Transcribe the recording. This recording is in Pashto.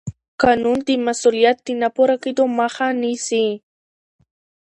قانون د مسوولیت د نه پوره کېدو مخه نیسي.